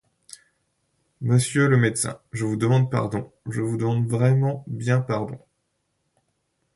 Monsieur le médecin, je vous demande pardon, je vous demande vraiment bien pardon.